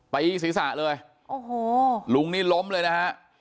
ไปศีรษะเลยลุงนี่ล้มเลยนะครับ